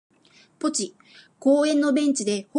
•公園のベンチで本を読むのが、私のお気に入りの時間です。